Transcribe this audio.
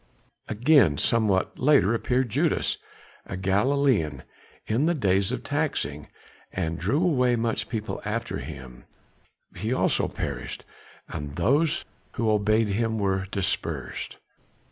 Again, somewhat later appeared Judas, a Galilean, in the days of the taxing, and drew away much people after him; he also perished, and those who had obeyed him were dispersed.